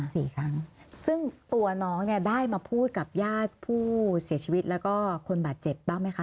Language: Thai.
สี่ครั้งซึ่งตัวน้องเนี่ยได้มาพูดกับญาติผู้เสียชีวิตแล้วก็คนบาดเจ็บบ้างไหมคะ